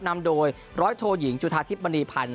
นำโดยร้อยโทยิงจุธาทิพย์มณีพันธ์